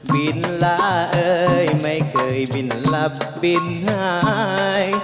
บินลาเอ้ยไม่เคยบินหลับบินหาย